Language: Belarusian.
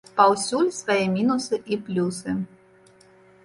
Паўсюль свае мінусы і плюсы.